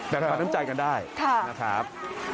แต่ความน้ำใจกันได้ค่ะนะครับ